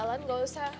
alan udah lah